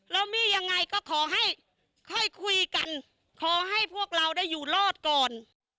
แล้วมียังไงก็ขอให้ค่อยคุยกันขอให้พวกเราได้อยู่รอดก่อน